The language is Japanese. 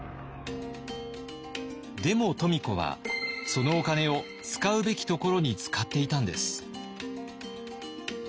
でも富子はそのお金を使うべきところに使っていたんです。